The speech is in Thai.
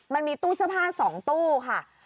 มันมีตู้เสื้อผ้า๒ตู้ค่ะ